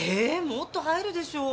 もっと入るでしょう。